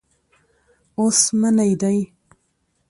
اوس منی دی.